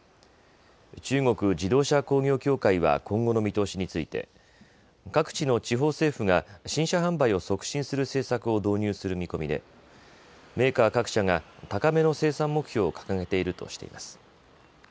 中国自動車工業協会は今後の見通しについて各地の地方政府が新車販売を促進する政策を導入する見込みで、メーカー各社が高めの生産目標を掲げているとしています。